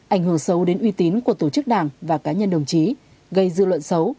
ảnh hưởng sâu đến uy tín của tổ chức đảng và cá nhân đồng chí gây dư luận xấu